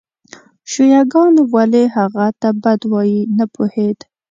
شیعه ګان ولې هغه ته بد وایي نه پوهېد.